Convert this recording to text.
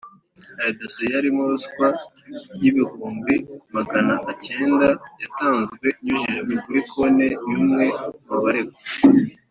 hari dosiye yarimo ruswa y’ibihumbi magana acyenda yatanzwe inyujijwe kuri konti y’umwe mu baregwa